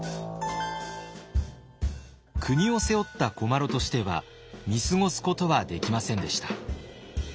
国を背負った古麻呂としては見過ごすことはできませんでした。